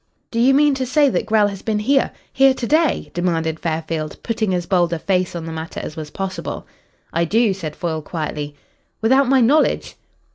"Do you mean to say that Grell has been here here to day?" demanded Fairfield, putting as bold a face on the matter as was possible. "I do," said Foyle quietly. "Without my knowledge?"